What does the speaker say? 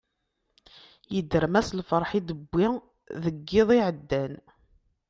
Yedrem-as lferḥ i d-tewwi deg yiḍ iɛeddan.